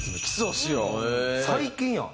最近やん。